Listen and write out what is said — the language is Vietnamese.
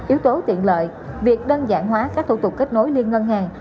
yếu tố tiện lợi việc đơn giản hóa các thủ tục kết nối liên ngân hàng